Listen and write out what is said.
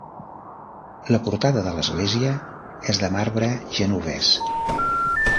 La portada de l'església és de marbre genovès.